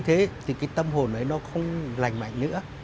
thế thì cái tâm hồn ấy nó không lành mạnh nữa